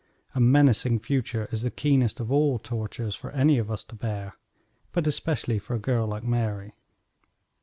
A menacing future is the keenest of all tortures for any of us to bear, but especially for a girl like Mary.